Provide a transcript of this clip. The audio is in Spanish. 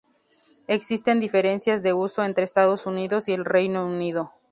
Existen diferencias de uso entre Estados Unidos y el Reino Unido.